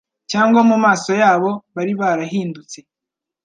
cyangwa mu maso yabo bari barahindutse